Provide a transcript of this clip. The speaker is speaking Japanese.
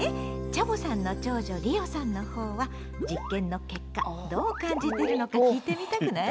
チャボさんの長女りおさんのほうは実験の結果どう感じてるのか聞いてみたくない？